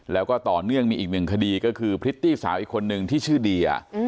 แล้วก็ต่อเนื่องมีอีกหนึ่งคดีก็คือพริตตี้สาวอีกคนนึงที่ชื่อเดีย